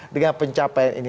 dengan pencapaian ini